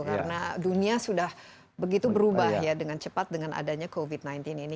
karena dunia sudah begitu berubah ya dengan cepat dengan adanya covid sembilan belas ini